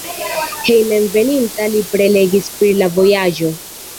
Hejmenveninta li prelegis pri la vojaĝo.